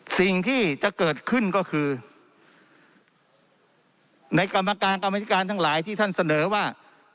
สิ่งที่จะเกิดขึ้นก็คือในกรรมการกรรมธิการทั้งหลายที่ท่านเสนอว่า